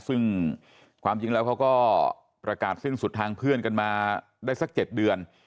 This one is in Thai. ซึ่งความจริงแล้วเขาก็ประกาศสิ้นสุดทางเพื่อนกันมาได้สัก๗เดือน